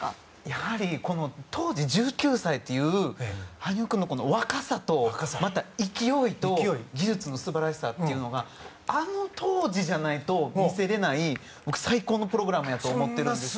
やはり、当時１９歳という羽生君の若さとまた、勢いと技術の素晴らしさというのがあの当時じゃないと見せれない最高のプログラムやと思ってるんですよ。